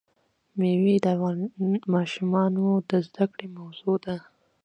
مېوې د افغان ماشومانو د زده کړې موضوع ده.